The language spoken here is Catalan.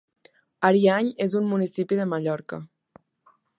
Ariany és un municipi de Mallorca.